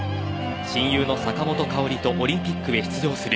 親友の坂本花織とオリンピックへ出場する。